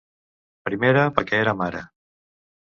Primera, perquè era mare